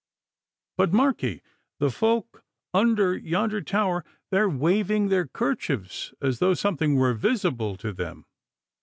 But mark ye the folk upon yonder tower! They are waving their kerchiefs as though something were visible to them.